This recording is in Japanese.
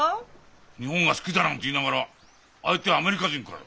日本が好きだなんて言いながら相手はアメリカ人かよ。